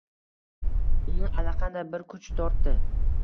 Uni allaqanday bir kuch tortdi.